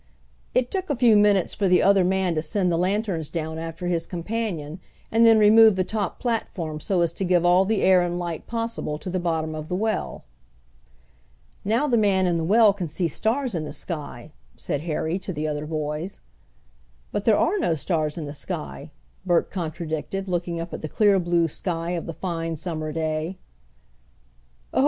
It took a few minutes for the other man to send the lanterns down after his companion and then remove the top platform so as to give all the air and light possible to the bottom of the well. "Now the man in the well can see stars in the sky," said Harry to the other boys. "But there are no stars in the sky," Bert contradicted, looking up at the clear blue sky of the fine summer day. "Oh!